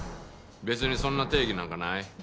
別にそんな定義なんかない。